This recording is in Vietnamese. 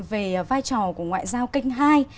về vai trò của ngoại giao kênh hai